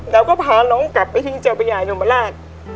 เราก็พาน้องกลับไปที่เจ้าประยายนมราช